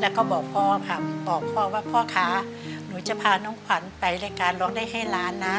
แล้วก็บอกพ่อค่ะบอกพ่อว่าพ่อคะหนูจะพาน้องขวัญไปรายการร้องได้ให้ล้านนะ